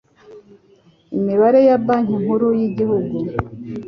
Imibare ya Banki Nkuru y'Igihugu